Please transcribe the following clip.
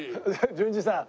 純次さん。